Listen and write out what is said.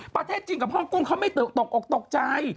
ประเทศจีนกับฮ่องกุ้งเขาไม่ตกออกตกใจ